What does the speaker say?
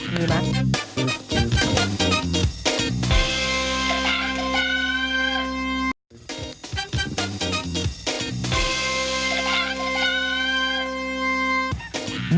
มีมั้ย